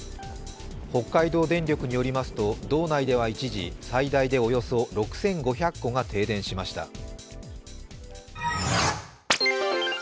北海道電力によりますと、道内では一時、最大でおよそ６５００戸が停電しました。